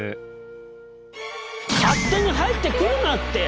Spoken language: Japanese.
勝手に入ってくるなって！